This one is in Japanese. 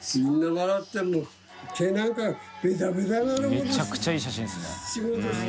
めちゃくちゃいい写真ですね。